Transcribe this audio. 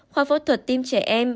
khoa phẫu thuật tim trẻ em